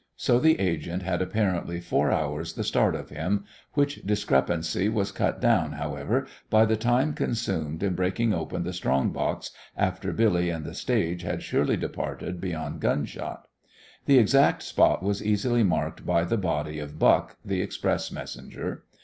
So the agent had apparently four hours the start of him, which discrepancy was cut down, however, by the time consumed in breaking open the strong box after Billy and the stage had surely departed beyond gunshot. The exact spot was easily marked by the body of Buck, the express messenger.